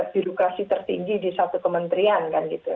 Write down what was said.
birokrasi tertinggi di satu kementerian kan gitu